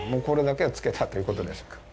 これだけはつけたということです。